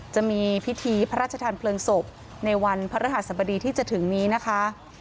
จะมีพิธีพระราชทานเพลิงศพในวันพระรหัสบดีที่จะถึงนี้นะคะ